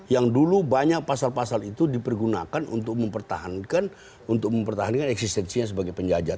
yang dulu banyak pasal pasal itu dipergunakan untuk mempertahankan eksistensinya sebagai penjajah